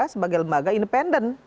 sebagai lembaga independen